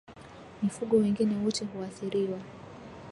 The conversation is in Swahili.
Mifugo wengine wote huathiriwa